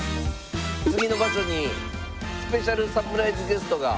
次の場所にスペシャルサプライズゲストが。